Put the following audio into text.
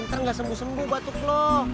ntar gak sembuh sembuh batuk lo